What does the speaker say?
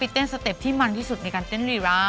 เต้นสเต็ปที่มันที่สุดในการเต้นรีรา